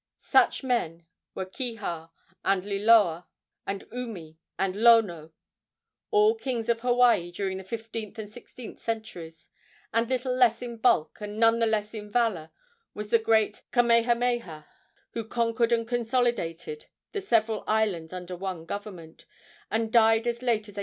Such men were Kiha, and Liloa, and Umi, and Lono, all kings of Hawaii during the fifteenth and sixteenth centuries; and little less in bulk and none the less in valor was the great Kamehameha, who conquered and consolidated the several islands under one government, and died as late as 1819.